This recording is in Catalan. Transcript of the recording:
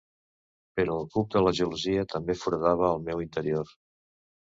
Però el cuc de la gelosia també foradava el meu interior...